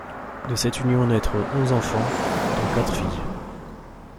De cette union naîtront onze enfants dont quatre filles.